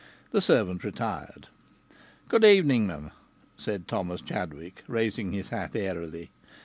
The servant retired. "Good evening, m'm," said Thomas Chadwick, raising his hat airily.